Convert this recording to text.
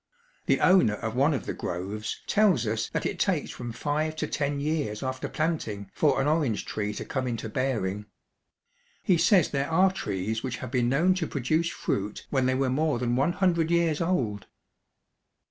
The owner of one of the groves tells us that it takes from five to ten years after planting for an orange tree to come into bearing. He says there are trees which have been known to produce fruit when they were more than one hundred years old.